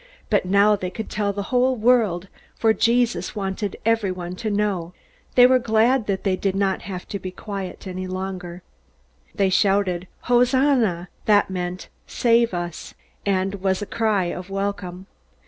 But now they could tell the whole world, for Jesus wanted everyone to know. They were glad that they did not have to be quiet any longer. They shouted, "Hosanna!" It meant, "Save us," and was a cry of welcome.